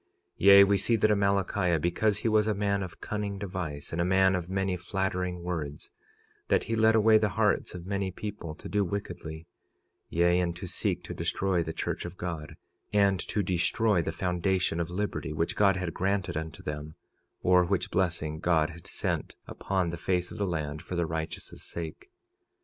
46:10 Yea, we see that Amalickiah, because he was a man of cunning device and a man of many flattering words, that he led away the hearts of many people to do wickedly; yea, and to seek to destroy the church of God, and to destroy the foundation of liberty which God had granted unto them, or which blessing God had sent upon the face of the land for the righteous' sake.